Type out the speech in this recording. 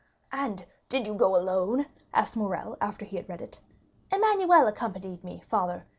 "And did you go alone?" asked Morrel, after he had read it. "Emmanuel accompanied me, father.